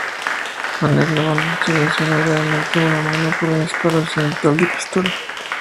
Algernon se lesionó gravemente una mano por un disparo accidental de pistola.